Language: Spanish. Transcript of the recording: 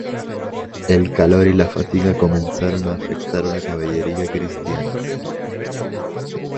El calor y la fatiga comenzaron a afectar a la caballería cristiana.